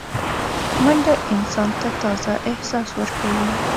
منډه انسان ته تازه احساس ورکوي